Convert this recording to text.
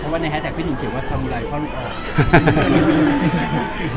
เพราะว่าในแฮทแท็กพี่หนุ่มเขียนว่าสมูรายพ่อลูกอ่อน